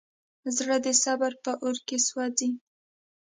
زړه د صبر په اور کې سوځي.